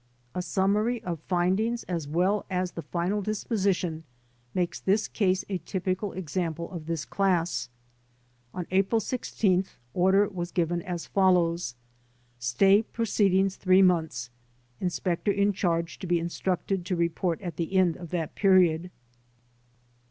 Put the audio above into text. A summary of findings as well as the final disposition makes this case a typical example of this class. On April 16th order was given as follows : Stay proceedings three months; Inspector in Charge to be instructed to report at end of that period.